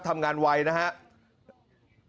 ทำงานไวนะครับ